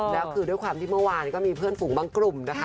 แล้วคือด้วยความที่เมื่อวานก็มีเพื่อนฝูงบางกลุ่มนะคะ